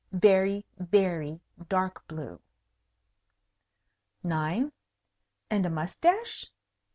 Very, very dark blue. 9. And a moustache?